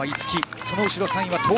その後ろ、３位は東京。